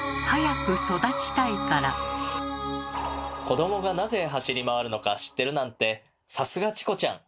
子どもがなぜ走り回るのか知ってるなんてさすがチコちゃん。